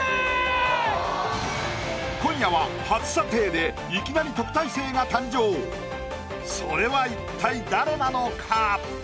今夜は初査定でいきなりそれは一体誰なのか？